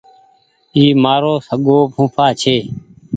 اي مآرو سگو ڦوڦآ ڇي